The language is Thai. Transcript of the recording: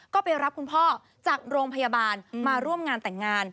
ก็ไปรับคุณพ่อจากโรงพยาบาลมาร่วมงานแต่งงาน